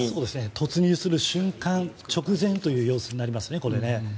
突入する瞬間直前ということになりますね。